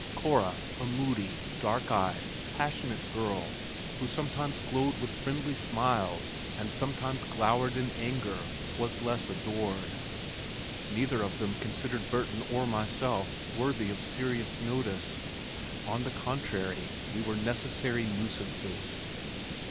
Cora, a moody, dark eyed, passionate girl who sometimes glowed with friendly smiles and sometimes glowered in anger, was less adored. Neither of them considered Burton or myself worthy of serious notice. On the contrary, we were necessary nuisances.